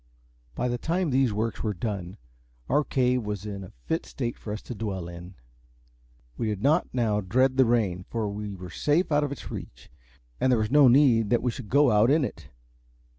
By the time these works were done, our cave was in a fit state for us to dwell in. We did not now dread the rain, for we were safe out of its reach, and there was no need that we should go out in it.